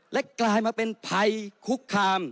และจริงก็พลมาเป็นภัยคุกคาม